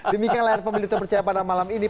demikian layar pemilu terpercaya pada malam ini